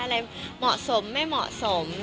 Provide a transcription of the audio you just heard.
อะไรเหมาะสมไม่เหมาะสม